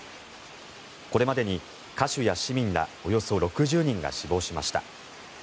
これまでに歌手や市民らおよそ６０人が死亡しました。